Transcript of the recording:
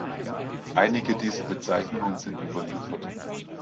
Einige dieser Bezeichnungen sind überliefert.